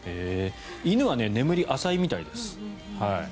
犬は眠りが浅いみたいです。